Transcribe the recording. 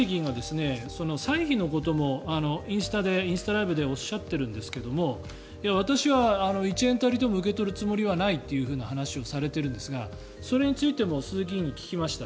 あと、ガーシー議員が歳費のこともインスタライブでおっしゃっているんですけど私は１円たりとも受け取るつもりはないという話をされているんですがそれについても鈴木議員に聞きました。